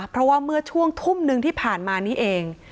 เพราะว่าเมื่อช่วงทุ่มหนึ่งที่ผ่านมานี้เอง